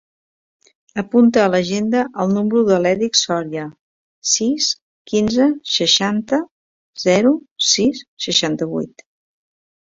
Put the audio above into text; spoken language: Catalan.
Apunta a l'agenda el número de l'Èric Soria: sis, quinze, seixanta, zero, sis, seixanta-vuit.